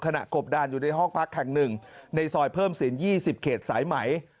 กบดานอยู่ในห้องพักแห่งหนึ่งในซอยเพิ่มศิลป์๒๐เขตสายไหม